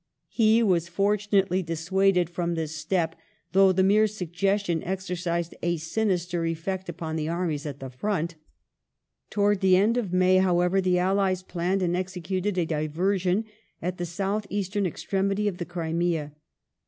He was fortunately dissuaded from this step, though the mere suggestion exercised a sinister effect upon the armies at the front. Towards the end of May, however, the allies planned and executed a diver sion at the south eastern extremity of the Crimea.